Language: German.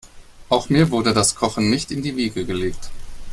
Auch mir wurde das Kochen nicht in die Wiege gelegt.